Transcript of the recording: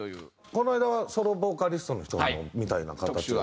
この間ソロボーカリストの人のみたいな形。